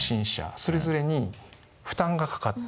それぞれに負担がかかってる。